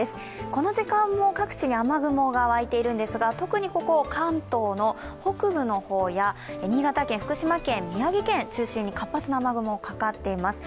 この時間も各地に雨雲が湧いているんですが、特に関東の北部の方や新潟県、福島県、宮城県を中心に活発な雨雲がかかっています。